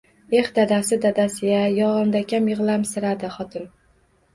-Eh, dadasi-dadasi-ya — Yolg’ondakam yig’lamsiradi xotin.